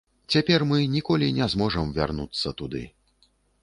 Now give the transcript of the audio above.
Цяпер мы ніколі не зможам вярнуцца туды.